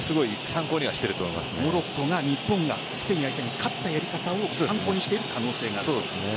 モロッコが日本、スペイン相手に勝ったことを参考にしている可能性があると。